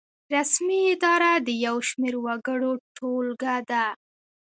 رسمي اداره د یو شمیر وګړو ټولګه ده.